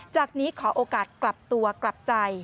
จากนี้ขอโอกาสกลับตัวกลับใจ